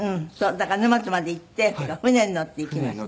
だから沼津まで行って船に乗って行きました。